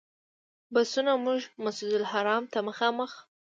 بسونو موږ مسجدالحرام ته مخامخ.